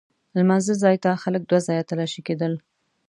لمانځه ځای ته خلک دوه ځایه تلاښي کېدل.